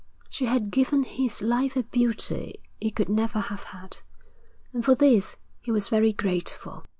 She had given his life a beauty it could never have had, and for this he was very grateful.